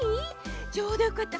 ちょうどよかった。